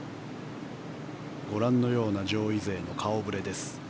ご覧のような上位勢の顔触れです。